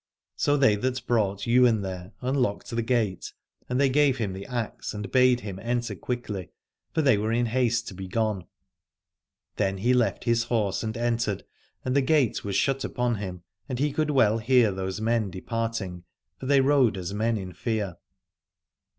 So they that brought Ywain there unlocked the gate, and they gave him the axe and bade him enter quickly, for they were in haste to be gone. Then he left his horse and entered, 139 Aladore and the gate was shut upon him, and he could well hear those men departing, for they rode as men in fear.